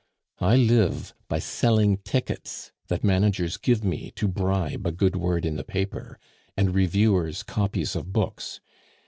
I live by selling tickets that managers give me to bribe a good word in the paper, and reviewers' copies of books.